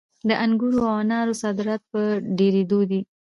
د انګورو او انارو صادرات په ډېرېدو دي.